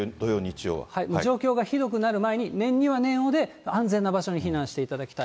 状況がひどくなる前に、念には念をで、安全な場所に避難していただきたい。